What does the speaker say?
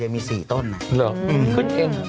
เอาไปซื้อเป็นที่ตื่นเต้น